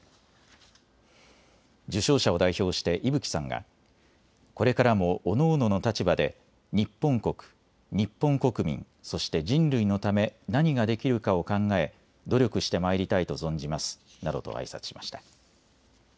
受章者を代表して伊吹さんがこれからもおのおのの立場で日本国、日本国民そして人類のため何ができるかを考え努力してまいりたいと存じますなどとあいさつしました。